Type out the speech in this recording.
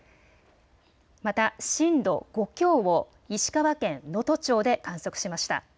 また震度５強を石川県能登町で観測しました。